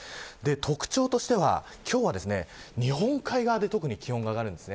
特徴としては今日は日本海側で気温が上がります。